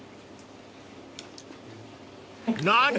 ［何？